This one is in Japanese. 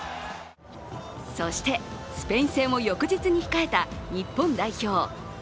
そして、スペイン戦を翌日に控えた日本代表。